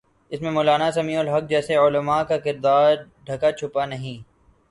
اس میں مولانا سمیع الحق جیسے علماء کا کردار ڈھکا چھپا نہیں۔